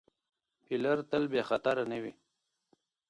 فیلر تل بې خطره نه وي.